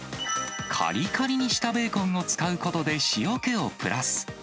かりかりにしたベーコンを使うことで塩気をプラス。